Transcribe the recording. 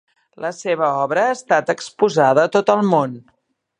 La seva obra ha estat exposada a tot el món.